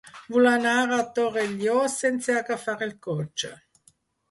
Vull anar a Torelló sense agafar el cotxe.